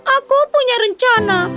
aku punya rencana